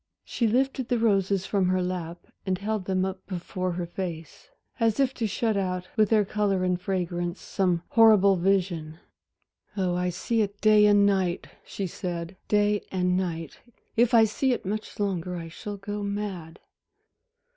She lifted the roses from her lap and held them up before her face, as if to shut out, with their color and fragrance, some horrible vision. "Oh, I see it day and night," she said, "day and night! If I see it much longer, I shall go mad."